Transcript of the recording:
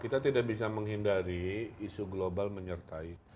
kita tidak bisa menghindari isu global menyertai